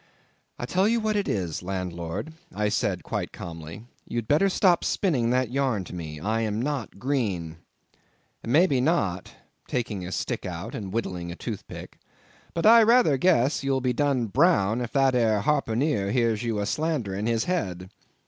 "I tell you what it is, landlord," said I quite calmly, "you'd better stop spinning that yarn to me—I'm not green." "May be not," taking out a stick and whittling a toothpick, "but I rayther guess you'll be done brown if that ere harpooneer hears you a slanderin' his head."